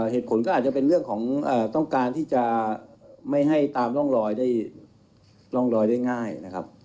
เหตุผลก็อาจจะเป็นเรื่องของต้องการที่จะไม่ให้ตามร่องรอยได้ง่ายนะครับ